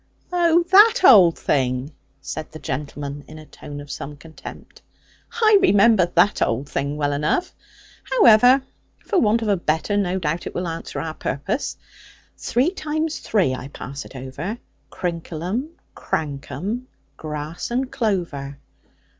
'Oh, that old thing!' said the gentleman, in a tone of some contempt; 'I remember that old thing well enough. However, for want of a better, no doubt it will answer our purpose. Three times three, I pass it over. Crinkleum, crankum, grass and clover!